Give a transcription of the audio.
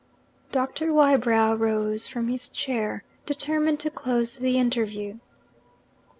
Doctor Wybrow rose from his chair, determined to close the interview.